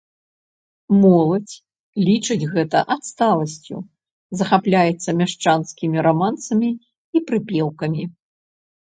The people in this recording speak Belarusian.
Моладзь лічыць гэта адсталасцю, захапляецца мяшчанскімі рамансамі і прыпеўкамі.